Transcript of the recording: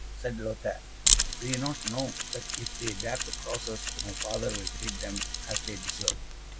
said Lothaire. "Do you not know that if they dare to cross us, my father will treat them as they deserve?